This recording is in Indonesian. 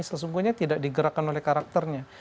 sesungguhnya tidak digerakkan oleh karakternya